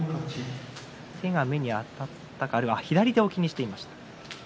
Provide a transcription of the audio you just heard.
手が目に当たったか左目を気にしています。